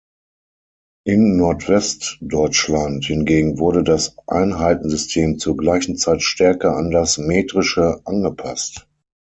In Nordwestdeutschland hingegen wurde das Einheitensystem zur gleichen Zeit stärker an das metrische angepasst.